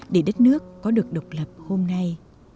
để đất nước có được độc lập hôm nay